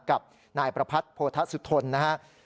กับนายประพัทธ์โพธสุทนนะครับ